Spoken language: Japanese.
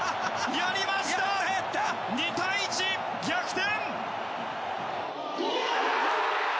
２対１、逆転！